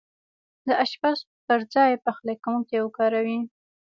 د اشپز پر ځاي پخلی کونکی وکاروئ